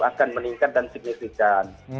akan meningkat dan signifikan